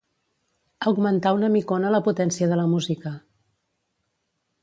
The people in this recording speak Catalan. Augmentar una micona la potència de la música.